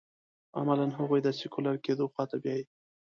عملاً هغوی د سیکولر کېدو خوا ته بیايي.